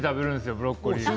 ブロッコリー。